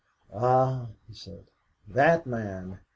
"Ah," he said, "that man!